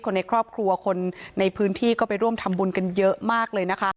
ในครอบครัวคนในพื้นที่ก็ไปร่วมทำบุญกันเยอะมากเลยนะคะ